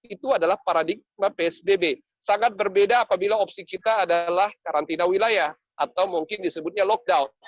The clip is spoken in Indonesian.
itu adalah paradigma psbb sangat berbeda apabila opsi kita adalah karantina wilayah atau mungkin disebutnya lockdown